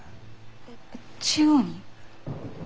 えっ中央に？